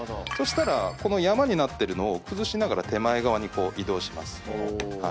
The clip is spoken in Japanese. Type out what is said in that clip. そしたら山になってるのを崩しながら手前側に移動します。